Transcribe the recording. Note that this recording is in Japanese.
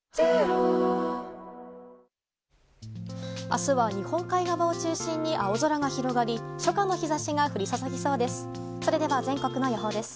明日は日本海側を中心に青空が広がり初夏の日差しが降り注ぎそうです。